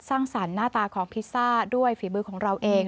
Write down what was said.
สร้างสรรค์หน้าตาของพิซซ่าด้วยฝีมือของเราเอง